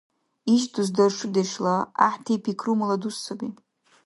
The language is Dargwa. Ишдус даршудешла, гӀяхӀти пикрумала дус саби.